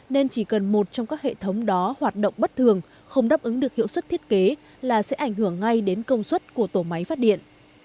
nên chỉ cần một trong các hệ thống đó hoạt động bất thường không đáp ứng được hiệu suất thiết kế là sẽ ảnh hưởng ngay đến công suất của tổ máy phát điện